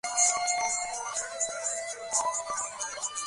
এ দিকে হারানের অভ্যাগমে সুচরিতার মন যেন একটু আশান্বিত হইয়া উঠিল।